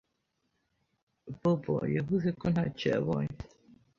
Bobo yavuze ko ntacyo yabonye.